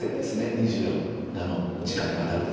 ２４時間にわたるですね。